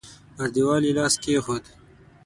پر دېوال يې لاس کېښود.